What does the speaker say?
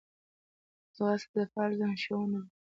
ځغاسته د فعال ذهن ښوونه ده